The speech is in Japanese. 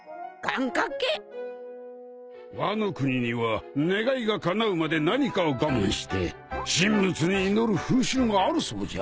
ワノ国には願いがかなうまで何かを我慢して神仏に祈る風習があるそうじゃ。